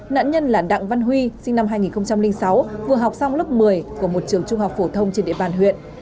nạn nhân là đặng văn huy sinh năm hai nghìn sáu vừa học xong lớp một mươi của một trường trung học phổ thông trên địa bàn huyện